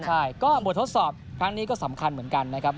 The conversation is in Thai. ใช่ก็บททดสอบครั้งนี้ก็สำคัญเหมือนกันนะครับ